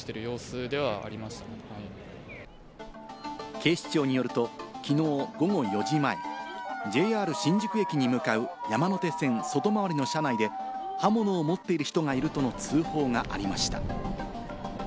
警視庁によると、きのう午後４時前、ＪＲ新宿駅に向かう山手線・外回りの車内で刃物を持っている人がいると通報がありました。